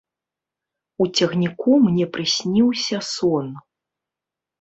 У цягніку мне прысніўся сон.